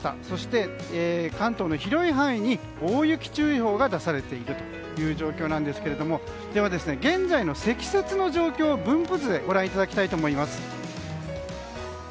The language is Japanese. そして、関東の広い範囲に大雪注意報が出されている状況なんですが現在の積雪の状況を分布図でご覧いただきたいと思います。